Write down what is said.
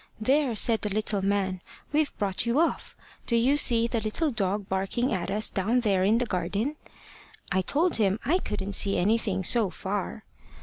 `There!' said the little man; `we've brought you off! Do you see the little dog barking at us down there in the garden?' I told him I couldn't see anything so far.